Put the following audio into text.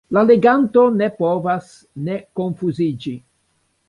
La leganto ne povas ne konfuziĝi.